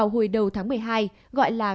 hồi đầu tháng một mươi hai gọi là